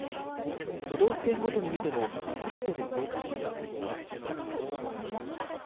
都道府県ごとに見ても、すべてで増加しています。